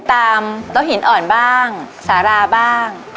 โต๊ะหินอ่อนบ้างสาราบ้าง